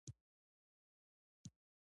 موږ ټول باید پاکو اوبو ته د لاسرسي هڅه وکړو